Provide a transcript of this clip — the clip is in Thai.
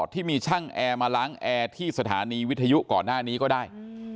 ที่มีช่างแอร์มาล้างแอร์ที่สถานีวิทยุก่อนหน้านี้ก็ได้